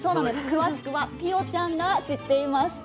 詳しくはピオちゃんが知っています。